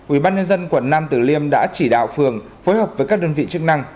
ủy ban nhân dân quận nam tử liêm đã chỉ đạo phường phối hợp với các đơn vị chức năng